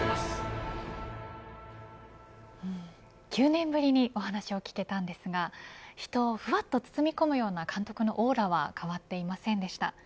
９年ぶりにお話を聞けたんですが人をふわっと包み込みような監督のオーラは変わっていませんでした。